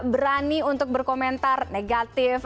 berani untuk berkomentar negatif